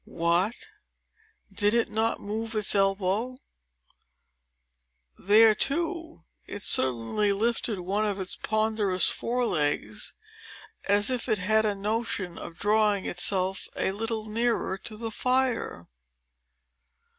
What! Did it not move its elbow? There, too! It certainly lifted one of its ponderous fore legs, as if it had a notion of drawing itself a little nearer to the fire.